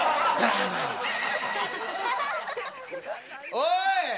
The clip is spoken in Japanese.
おい！